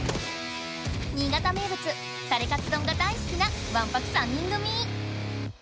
新潟名ぶつタレかつどんが大好きなわんぱく３人組！